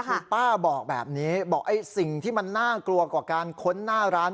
คือป้าบอกแบบนี้บอกไอ้สิ่งที่มันน่ากลัวกว่าการค้นหน้าร้าน